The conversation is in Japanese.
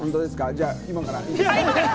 じゃあ今から。